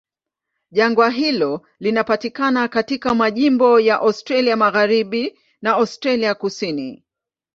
Jangwa hilo linapatikana katika majimbo ya Australia Magharibi na Australia Kusini.